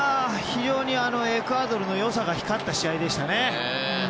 非常にエクアドルの良さが光った試合でしたね。